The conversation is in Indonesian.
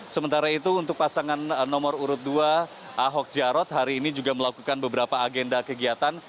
sementara itu untuk pasangan nomor urut dua ahok jarot hari ini juga melakukan beberapa agenda kegiatan